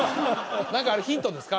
何かあれヒントですか？